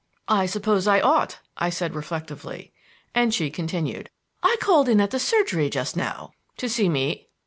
"I suppose I ought," I said reflectively. And she continued: "I called in at the surgery just now." "To see me?"